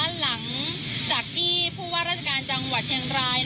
หลังจากที่ผู้ว่าราชการจังหวัดเชียงราย